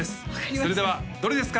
それではどれですか？